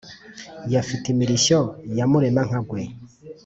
ya mfitimirishyo ya murema-nkagwe,